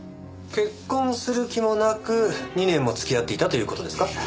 結婚する気もなく２年も付き合っていたという事ですか？